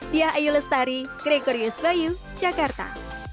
diayu lestari gregorius bayu jakarta